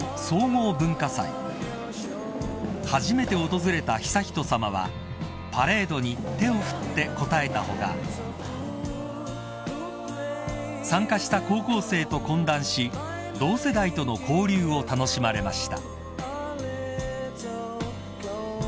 ［初めて訪れた悠仁さまはパレードに手を振って応えた他参加した高校生と懇談し同世代との交流を楽しまれました］